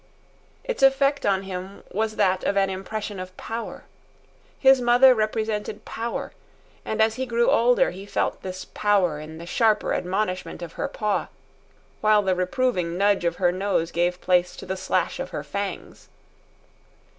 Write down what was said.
Its effect on him was that of an impression of power. His mother represented power; and as he grew older he felt this power in the sharper admonishment of her paw; while the reproving nudge of her nose gave place to the slash of her fangs.